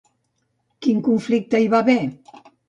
Quin conflicte hi va haver?